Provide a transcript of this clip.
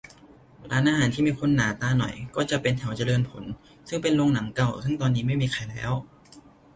ร้านอาหารที่มีคนหนาตาหน่อย ก็จะเป็นแถวเจริญผล ซึ่งเป็นโรงหนังเก่าซึ่งตอนนี้ไม่มีแล้ว